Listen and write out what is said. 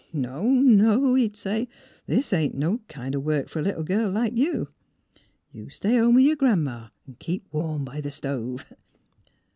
" No, no," he would say, " this ain't no kind o' work fer a little gal like you. You stay home with yer Gran 'ma an' keep warm b' th' stove."